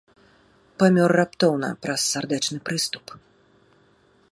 Памёр раптоўна праз сардэчны прыступ.